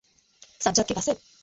সাজ্জাদ কি গাছে?